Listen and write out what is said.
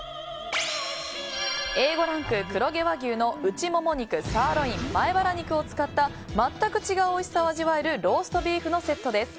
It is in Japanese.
Ａランク黒毛和牛の内もも肉サーロイン、前バラ肉を使った全く違うおいしさを味わえるローストビーフのセットです。